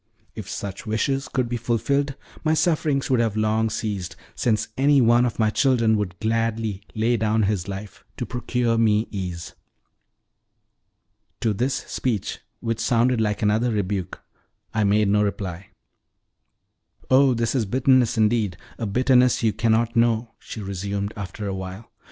"If such wishes could be fulfilled my sufferings would have long ceased, since any one of my children would gladly lay down his life to procure me ease." To this speech, which sounded like another rebuke, I made no reply. "Oh, this is bitterness indeed a bitterness you cannot know," she resumed after a while.